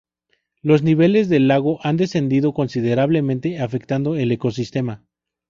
Los niveles del lago han descendido considerablemente afectando el ecosistema.